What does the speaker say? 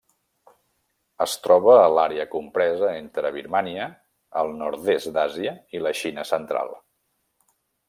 Es troba a l'àrea compresa entre Birmània, el nord-est d'Àsia i la Xina central.